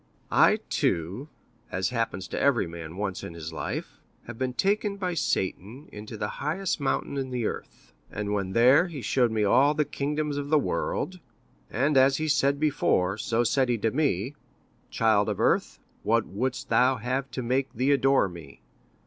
"I too, as happens to every man once in his life, have been taken by Satan into the highest mountain in the earth, and when there he showed me all the kingdoms of the world, and as he said before, so said he to me, 'Child of earth, what wouldst thou have to make thee adore me?